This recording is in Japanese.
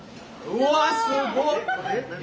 うわすごっ！